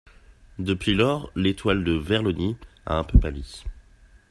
Depuis lors l'étoile de Veltroni a un peu pâli.